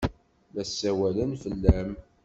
La ssawalen fell-am.